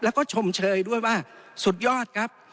แล้วก็ชมเชยด้วยว่าสุดยอดครับ